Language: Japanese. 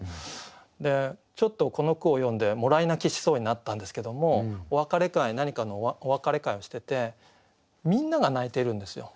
でちょっとこの句を読んでもらい泣きしそうになったんですけどもお別れ会何かのお別れ会をしててみんなが泣いてるんですよ。